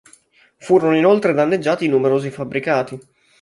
Furono inoltre danneggiati numerosi fabbricati.